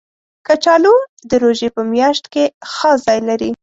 کچالو د روژې په میاشت کې خاص ځای لري